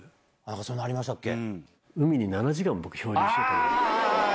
そんなのありましたっけ？